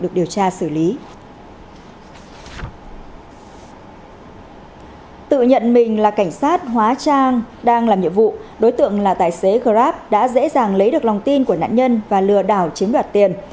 cảnh sát hóa trang đang làm nhiệm vụ đối tượng là tài xế grab đã dễ dàng lấy được lòng tin của nạn nhân và lừa đảo chiếm đoạt tiền